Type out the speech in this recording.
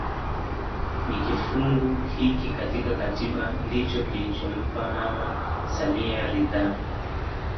Ni kifungu hiki katika katiba ndicho kilichompa mama samia ridhaa